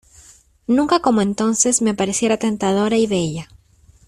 nunca como entonces me pareciera tentadora y bella.